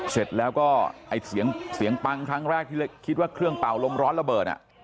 เสร็จแล้วก็ไอ้เสียงปังครั้งแรกที่คิดว่าเครื่องเป่าลมร้อนระเบิด